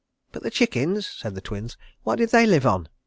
_] "But the chickens?" said the Twins. "What did they live on?"